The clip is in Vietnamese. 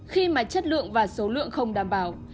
khi mà chất lượng và số lượng không đảm bảo